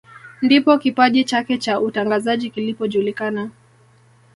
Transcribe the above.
Ndipo kipaji chake cha utangazaji kilipojulikana